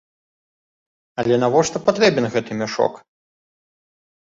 Але навошта патрэбен гэты мяшок?